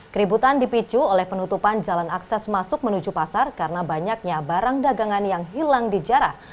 keributan dipicu oleh penutupan jalan akses masuk menuju pasar karena banyaknya barang dagangan yang hilang di jarah